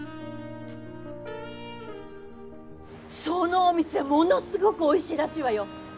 そのお店ものすごくおいしいらしいわよ。